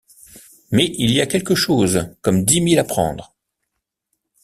Mais il y a quelque chose, comme dix mille à prendre.